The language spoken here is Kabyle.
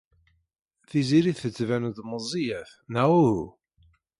Tiziri tettban-d meẓẓiyet neɣ uhu?